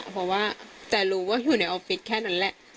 เพราะว่าจะรู้ว่าอยู่ในออฟฟิศแค่นั้นแหละ